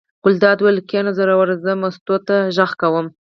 ګلداد وویل: کېنه زوروره زه مستو ته غږ کوم.